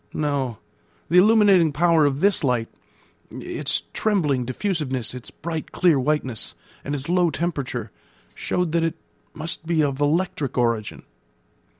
No; the illuminating power of this light, its trembling diffusiveness, its bright, clear whiteness, and its low temperature, showed that it must be of electric origin.